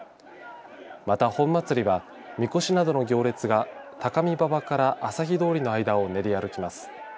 また本祭りは、みこしなどの行列が高見馬場から朝日通の間を練り歩きます。